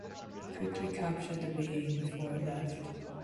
He quickly captured the being before it left.